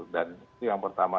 dan itu yang pertama